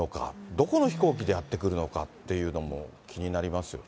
どこの飛行機でやって来るのかというのも気になりますよね。